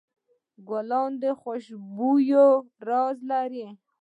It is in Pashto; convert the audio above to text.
ګلان د خوشبویۍ راز لري.